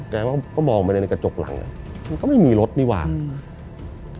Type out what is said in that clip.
แกก็มองไปเลยในกระจกหลังอ่ะมันก็ไม่มีรถนี่ว่า